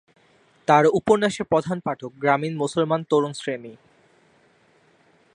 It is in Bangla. তার উপন্যাসের প্রধান পাঠক গ্রামীণ মুসলমান তরুণ শ্রেণি।